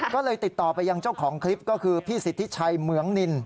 ก็เลยติดต่อไปยังเจ้าของคลิปก็คือพี่สิทธิชัยเหมืองนิน